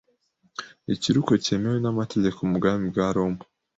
ikiruko cyemewe n’amategeko mu bwami bwa Roma